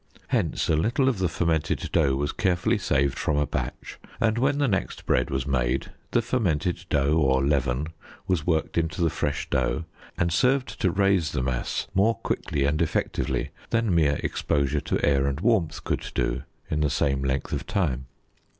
Hence, a little of the fermented dough was carefully saved from a batch, and when the next bread was made, the fermented dough, or leaven, was worked into the fresh dough and served to raise the mass more quickly and effectively than mere exposure to air and warmth could do in the same length of time.